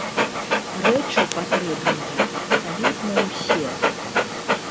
Рэчы патрэбныя абсалютна ўсе.